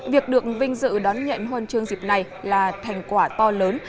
việc được vinh dự đón nhận huân chương dịp này là thành quả to lớn